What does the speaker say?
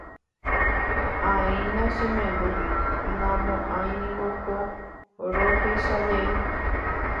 Áina che memby naimo'ãiniko ko rohechajey